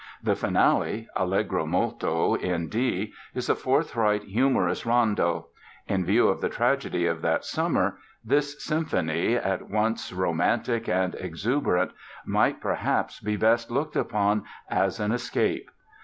The Finale, "Allegro molto" in D, is a forthright, humorous rondo. In view of the tragedy of that summer, this symphony, at once romantic and exuberant, might perhaps best be looked upon as an escape.